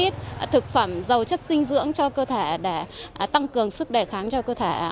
thực phẩm dầu chất dinh dưỡng cho cơ thể để tăng cường sức đề kháng cho cơ thể